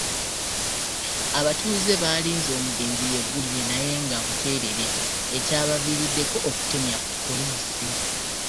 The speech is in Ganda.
Abatuuze baalinze omugenzi yeggulire naye nga buteerere ekyabaviiriddeko okutemya ku poliisi.